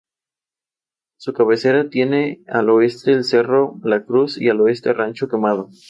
Comenzó muy joven su carrera como vocalista.